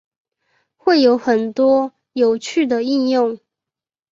会有很多有趣的应用